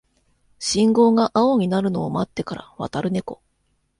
信号が青になるのを待ってから渡るネコ